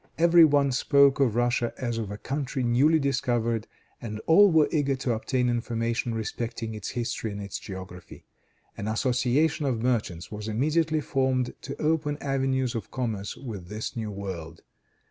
Every one spoke of Russia as of a country newly discovered, and all were eager to obtain information respecting its history and its geography. An association of merchants was immediately formed to open avenues of commerce with this new world.